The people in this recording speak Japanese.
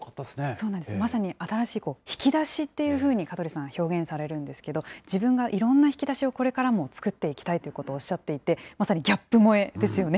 そうなんです、まさに新しい引き出しっていうふうに香取さん、表現されるんですけれども、自分がいろんな引き出しをこれからも作っていきたいということをおっしゃっていて、まさにギャップ萌えですよね。